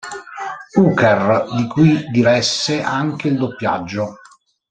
Hooker", di cui diresse anche il doppiaggio.